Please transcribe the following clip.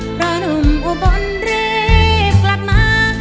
เพราะหนุ่มอุบลรีบกลับมา